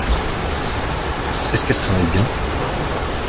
Est-ce qu’elle travaille bien ?